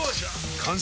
完成！